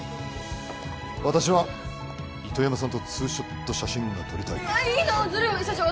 私は糸山さんとツーショット写真が撮りたいいいなずるい社長